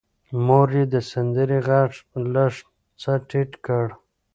مور یې د سندرې غږ لږ څه ټیټ کړ.